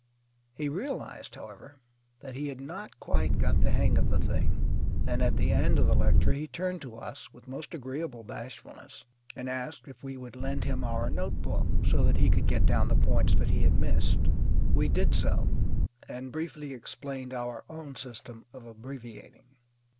He realized, however, that he had not quite got the hang of the thing, and at the end of the lecture he turned to us with most agreeable bashfulness and asked if we would lend him our notebook, so that he could get down the points that he had missed. We did so, and briefly explained our own system of abbreviating.